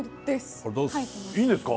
いいんですか？